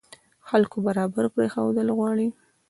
خلکو برابر پرېښودل غواړي.